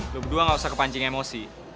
lo berdua gak usah kepancing emosi